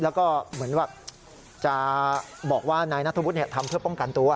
แล้วก็เหมือนว่าจะบอกว่านายนัทธวุฒิทำเพื่อป้องกันตัว